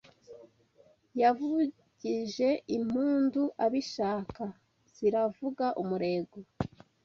Yavugije impundu abishaka ziravuga umurego